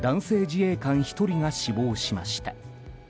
自衛官１人が死亡しました。